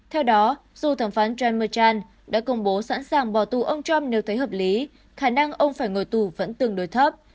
theo đó dù thẩm phán james machan đã công bố sẵn sàng bỏ tù ông trump nếu thấy hợp lý khả năng ông phải ngồi tù vẫn tương đối thấp